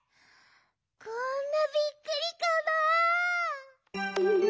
こんなびっくりかな？